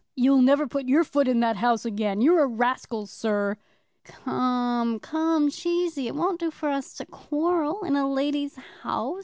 "You'll never put your foot in that house again. You're a rascal, sir." "Come, come, Cheesy, it won't do for us to quarrel in a lady's house.